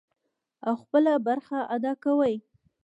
او خپله برخه ادا کوي.